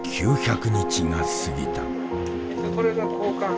これが交換？